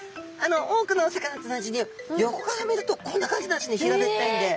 多くのお魚と同じに横から見るとこんな感じなんですね平べったいんで。